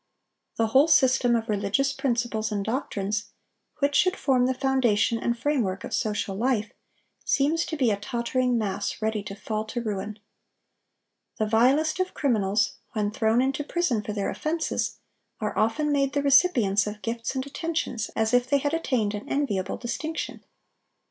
The whole system of religious principles and doctrines, which should form the foundation and framework of social life, seems to be a tottering mass, ready to fall to ruin. The vilest of criminals, when thrown into prison for their offenses, are often made the recipients of gifts and attentions, as if they had attained an enviable distinction.